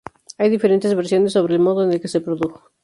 Hay diferentes versiones sobre el modo en el que se produjo.